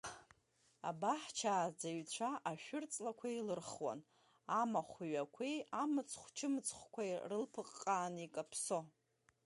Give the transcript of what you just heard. Абаҳчааӡаҩцәа ашәыр ҵлақәа еилырхуан, амахә ҩақәеи амыцхә-чымцхәқәеи рылԥыҟҟаны икаԥсо.